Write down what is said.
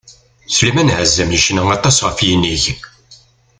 Sliman Azem yecna aṭas ɣef yinig.